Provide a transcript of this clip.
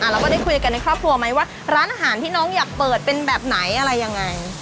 เราก็ได้คุยกันในครอบครัวไหมว่าร้านอาหารที่น้องอยากเปิดเป็นแบบไหนอะไรยังไง